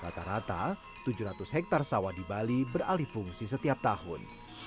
rata rata tujuh ratus hektare sawah di bali beralih fungsi setiap tahun